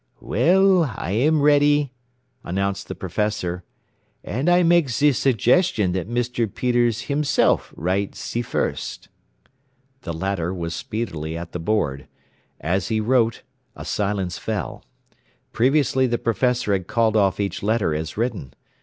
"Well, I am ready," announced the professor. "And I make ze suggestion that Mr. Peters himself write ze first." The latter was speedily at the board. As he wrote, a silence fell. Previously the professor had called off each letter as written.